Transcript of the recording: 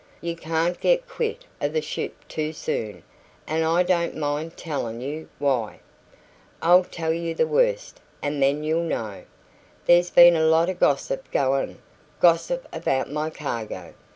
You can't get quit o' the ship too soon, an' I don't mind tellin' you why. I'll tell you the worst, an' then you'll know. There's been a lot o' gossip goin', gossip about my cargo.